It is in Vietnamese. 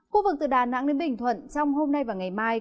khu vực từ đà nẵng đến bình thuận trong hôm nay và ngày mai